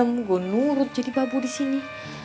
terus menerus gue diem gue nurut jadi babu disini